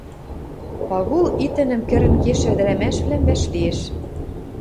Пагул итӹнӹм кӹрӹн кешӹ ӹдӹрӓмӓшвлӓм вӓшлиэш.